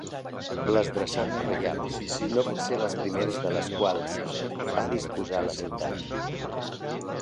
Les drassanes reials no van ser les primeres de les quals va disposar la ciutat.